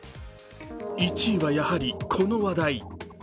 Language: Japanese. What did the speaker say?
１位は、やはりこの話題。